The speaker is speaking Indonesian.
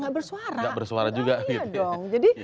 tidak bersuara jadi